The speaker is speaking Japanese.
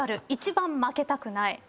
一番負けたくない。